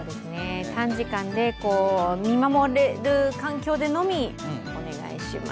短時間で見守れる環境でのみ、お願いします。